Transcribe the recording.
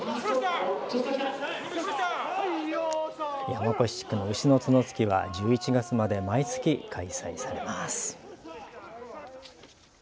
山古志地区の牛の角突きは１１月まで毎月開催されます。